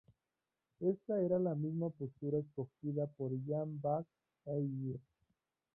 Esta era la misma postura escogida por Jan van Eyck.